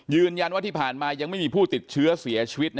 ยืนยันว่าที่ผ่านมายังไม่มีผู้ติดเชื้อเสียชีวิต